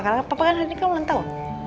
karena papa kan hari ini kemuliaan tahu